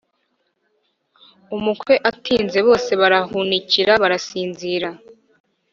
Umukwe atinze bose barahunikira barasinzira